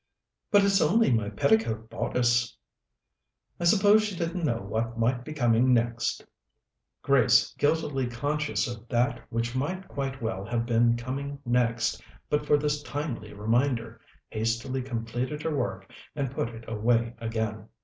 "But it's only my petticoat bodice." "I suppose she didn't know what might be coming next." Grace, guiltily conscious of that which might quite well have been coming next but for this timely reminder, hastily completed her work and put it away again.